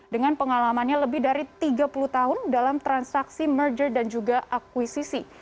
dengan pengalamannya lebih dari tiga puluh tahun dalam transaksi merger dan juga akuisisi